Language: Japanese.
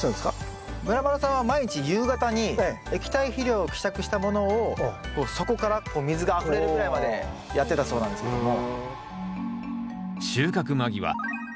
ムラまるさんは毎日夕方に液体肥料を希釈したものを底から水があふれるぐらいまでやってたそうなんですけども。